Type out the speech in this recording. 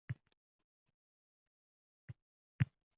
Ichi ham avval qanday boʻlgan boʻlsa, shunday.